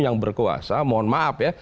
yang berkuasa mohon maaf ya